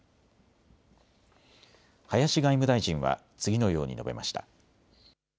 林外務大臣は次のように述べました。